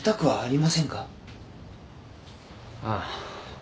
ああ。